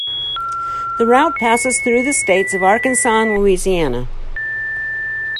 The route passes through the states of Arkansas and Louisiana.